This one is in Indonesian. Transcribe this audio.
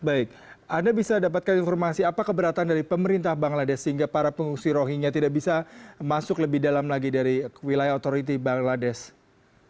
baik anda bisa dapatkan informasi apa keberatan dari pemerintah bangladesh sehingga para pengungsi rohingya tidak bisa masuk lebih dalam lagi dari wilayah otoriti bangladesh